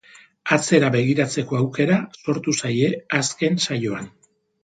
Atzera begiratzeko aukera sortu zaie azken saioan.